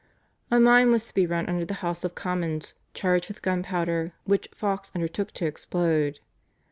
A mine was to be run under the House of Commons charged with gunpowder, which Fawkes undertook to explode.